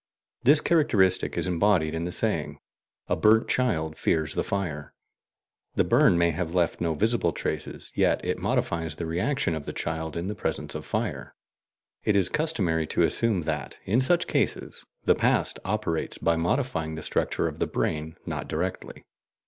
This characteristic is embodied in the saying "a burnt child fears the fire." The burn may have left no visible traces, yet it modifies the reaction of the child in the presence of fire. It is customary to assume that, in such cases, the past operates by modifying the structure of the brain, not directly.